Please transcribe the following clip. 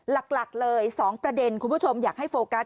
หลักเลย๒ประเด็นคุณผู้ชมอยากให้โฟกัส